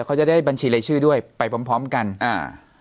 เขาจะได้บัญชีรายชื่อด้วยไปพร้อมพร้อมกันอ่า